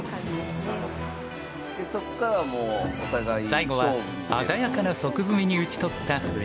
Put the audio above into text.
最後は鮮やかな即詰みに討ち取った藤井五冠。